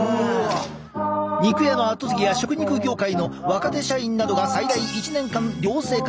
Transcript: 肉屋の後継ぎや食肉業界の若手社員などが最大１年間寮生活。